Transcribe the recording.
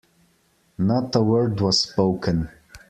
Not a word was spoken.